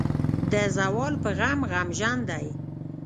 د زوال پۀ غم غمژن دے ۔